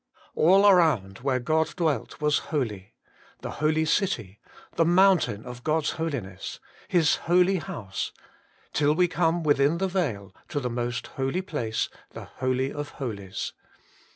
All around where God dwelt was holy : the holy city, the mountain of God's Holiness, His holy house, till we come within the veil, to the most holy place, the holy of holies.